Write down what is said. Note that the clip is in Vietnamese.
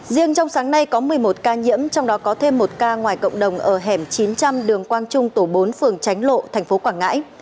riêng trong sáng nay có một mươi một ca nhiễm trong đó có thêm một ca ngoài cộng đồng ở hẻm chín trăm linh đường quang trung tổ bốn phường tránh lộ tp quảng ngãi